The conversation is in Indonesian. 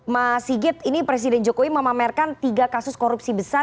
mas sigit ini presiden jokowi memamerkan tiga kasus korupsi besar